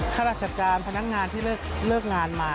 ข้าราชการพนักงานที่เลิกงานมา